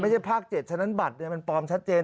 ไม่ใช่ภาค๗ฉะนั้นบัตรเนี่ยมันปลอมชัดเจน